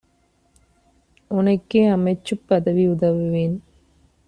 உனக்கே அமைச்சுப் பதவி உதவுவேன்!